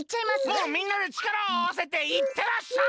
もうみんなでちからをあわせていってらっしゃい！